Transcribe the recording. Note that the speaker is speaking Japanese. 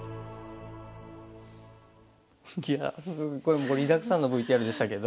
いやすっごい盛りだくさんのＶＴＲでしたけど。